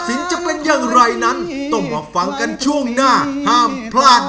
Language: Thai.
จะเป็นอย่างไรนั้นต้องมาฟังกันช่วงหน้าห้ามพลาด